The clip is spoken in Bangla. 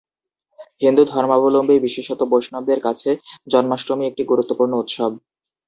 হিন্দু ধর্মাবলম্বী বিশেষত বৈষ্ণবদের কাছে জন্মাষ্টমী একটি গুরুত্বপূর্ণ উৎসব।